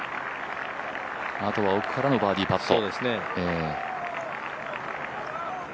あとは奥からのバーディーパット。